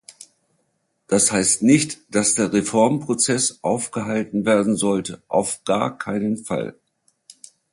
Das heißt nicht, dass der Reformprozess aufgehalten werden sollte, auf gar keinen Fall.